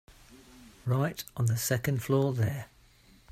Right on the second floor there.